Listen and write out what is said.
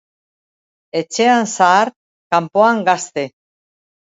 Etxean zahar, kanpoan gazte.